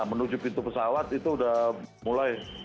menuju pintu pesawat itu sudah mulai